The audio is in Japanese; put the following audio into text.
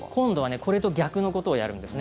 これと逆のことをやるんですね。